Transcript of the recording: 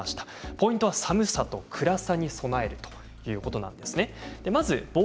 ポイントは寒さと暗さに備えるということです。